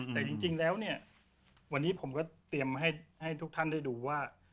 แต่จริงแล้วเนี่ยวันนี้ผมก็เตรียมให้ทุกท่านได้ดูว่า